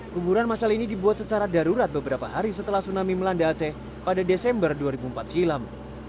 kuburan masal ini dibuat secara darurat beberapa hari setelah tsunami melanda aceh pada desember dua ribu empat silam